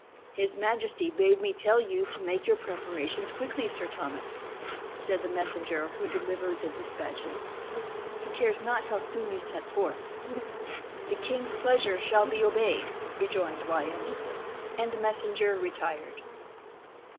"His majesty bade me tell you to make your preparations quickly, Sir Thomas," said the messenger who delivered the despatches; "he cares not how soon you set forth." "The king's pleasure shall be obeyed," rejoined Wyat. And the messenger retired.